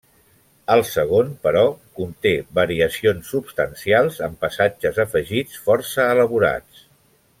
El segon, però, conté variacions substancials amb passatges afegits força elaborats.